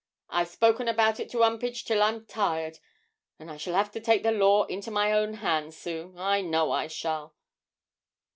I've spoke about it to 'Umpage till I'm tired, and I shall 'ave to take the law into my own hands soon, I know I shall.